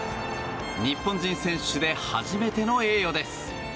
日本人選手で初めての栄誉です。